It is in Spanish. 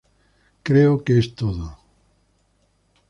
Creo que es todo.